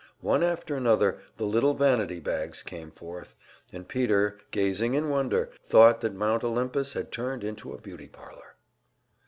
One after another, the little vanity bags came forth, and Peter, gazing in wonder, thought that Mount Olympus had turned into a beauty parlor.